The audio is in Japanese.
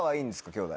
兄弟。